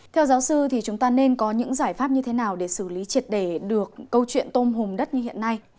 theo giáo sư thì chúng ta nên có những giải pháp như thế nào để xử lý triệt để được câu chuyện tôm hùm đất như hiện nay